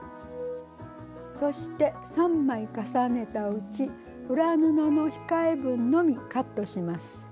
そして３枚重ねたうち裏布の控え分のみカットします。